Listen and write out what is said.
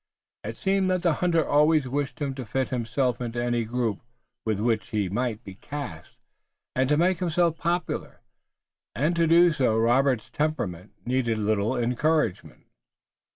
It seemed that the hunter always wished him to fit himself into any group with which he might be cast, and to make himself popular, and to do so Robert's temperament needed little encouragement.